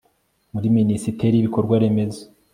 muri minisiteri y'ibikorwa remezo